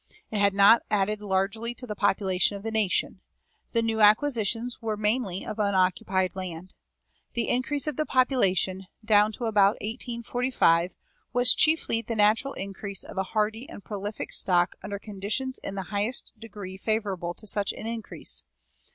It had not added largely to the population of the nation; the new acquisitions were mainly of unoccupied land. The increase of the population, down to about 1845, was chiefly the natural increase of a hardy and prolific stock under conditions in the highest degree favorable to such increase.